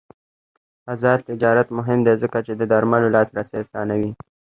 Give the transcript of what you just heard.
آزاد تجارت مهم دی ځکه چې د درملو لاسرسی اسانوي.